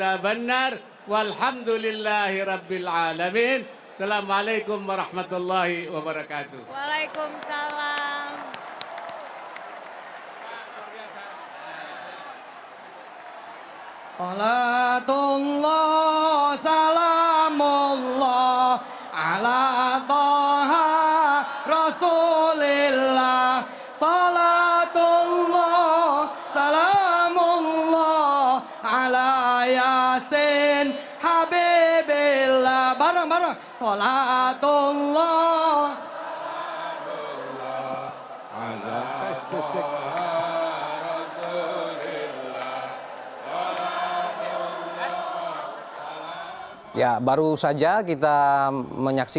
assalamualaikum warahmatullahi wabarakatuh